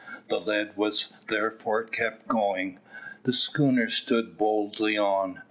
The lead was therefore kept going. The schooner stood boldly on.